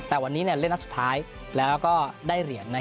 แต่วันนี้เล่นนัดสุดท้ายแล้วก็ได้เหรียญ